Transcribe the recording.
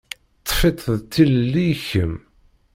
Ṭṭef-itt d tilelli i kemm.